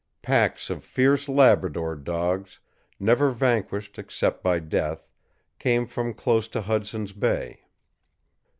Packs of fierce Labrador dogs, never vanquished except by death, came from close to Hudson's Bay.